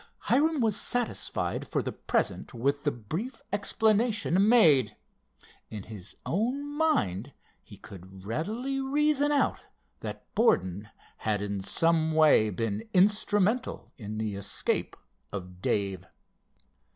Hiram was satisfied for the present with the brief explanation made. In his own mind he could readily reason out that Borden had, in some way, been instrumental in the escape of Dave.